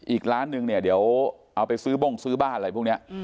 อีกล้านหนึ่งเนี่ยเดี๋ยวเอาไปซื้อบ้งซื้อบ้านอะไรพวกนี้